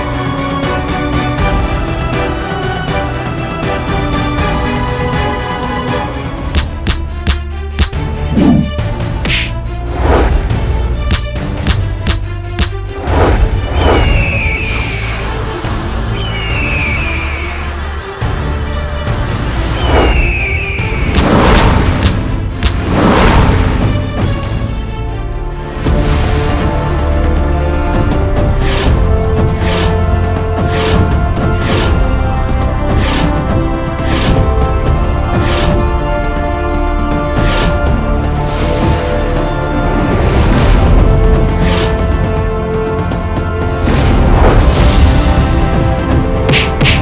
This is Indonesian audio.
terima kasih bapak